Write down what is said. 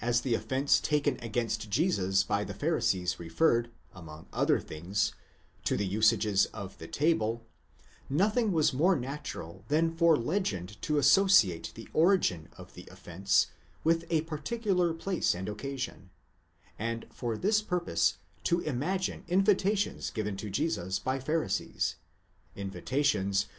the offence taken against Jesus by the Pharisees referred, among other things, to the usages of the table, nothing was more natural than for legend to asso ciate the origin of the offence with a particular place and occasion, and for this purpose to imagine invitations given to Jesus by Pharisees—invitations.